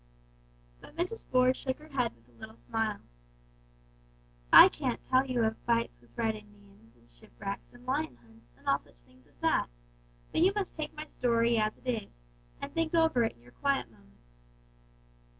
But Mrs. Ford shook her head with a little smile. "I can't tell you of fights with red Indians, and shipwrecks, and lion hunts, and all such things as that; but you must take my story as it is, and think over it in your quiet moments.